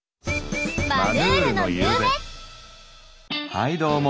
はいども。